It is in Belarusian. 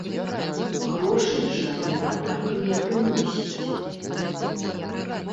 Грошай жа яна так і не прыносіць!